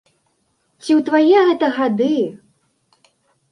Ці ў твае гэта гады!